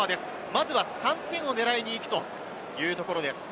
まずは３点を狙いにいくというところです。